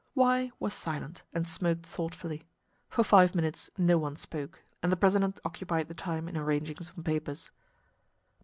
Y was silent, and smoked thoughtfully. For five minutes no one spoke, and the president occupied the time in arranging some papers.